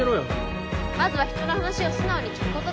まずは人の話を素直に聞くことですね。